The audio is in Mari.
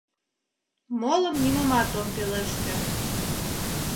Молым нимомат ом пелеште.